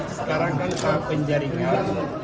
sekarang kan tahap penjaringan